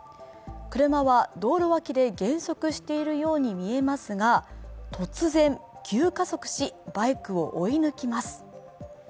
車は道路脇で減速しているように見えますが突然、急加速し、バイクを追い抜きます。